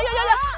aduh aduh aduh